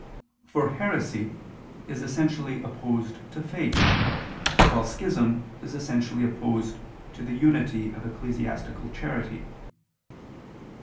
For heresy is essentially opposed to faith, while schism is essentially opposed to the unity of ecclesiastical charity.